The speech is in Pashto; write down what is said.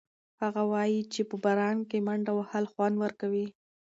هغه وایي چې په باران کې منډه وهل خوند ورکوي.